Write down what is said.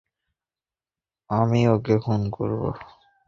আমি ওকে খুন করব!